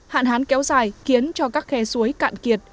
hạn hán kéo dài khiến cho các khe suối cạn kiệt